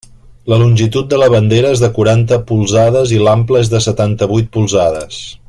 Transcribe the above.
La longitud de la bandera és de quaranta polzades i l'ample és de setanta-vuit polzades.